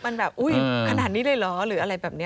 มันแบบอุ๊ยขนาดนี้เลยเหรอหรืออะไรแบบนี้